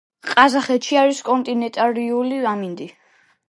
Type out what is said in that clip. ყაზახეთში არის კონტინენტალური ამინდი.